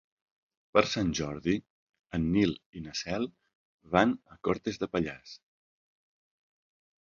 Per Sant Jordi en Nil i na Cel van a Cortes de Pallars.